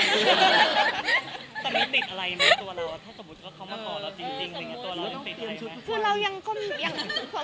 ตัดสมมติอะไรของบนตัวเราถ้าสมมติที่มันจะขอคนหนึ่ง